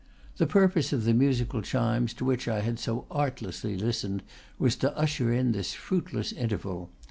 The purpose of the musical chimes to which I had so artlessly listened was to usher in this fruitless interval.